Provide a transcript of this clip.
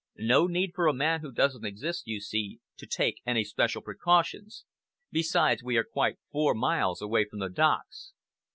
No need for a man who doesn't exist, you see, to take any special precautions. Besides, we are quite four miles away from the docks."